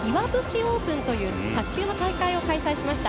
オープンという大会を開催しました。